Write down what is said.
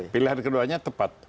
pilihan keduanya tepat